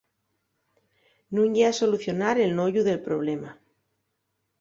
Nun ye a solucionar el noyu del problema.